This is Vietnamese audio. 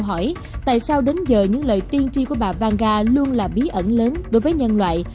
hỏi tại sao đến giờ những lời tiên tri của bà vangar luôn là bí ẩn lớn đối với nhân loại